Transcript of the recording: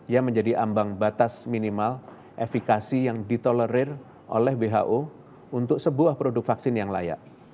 yang menjadi ambang batas minimal efekasi yang ditolerir oleh who untuk sebuah produk vaksin yang layak